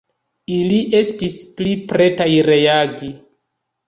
Ili estis pli pretaj reagi.